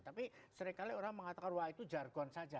tapi seringkali orang mengatakan wah itu jargon saja